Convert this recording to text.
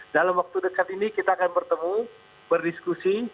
dalam waktu dekat ini kita akan bertemu berdiskusi